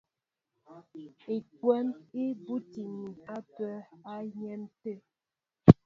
Ikwɔ́m í búti mi a pɛ á yɛ̌n tə̂.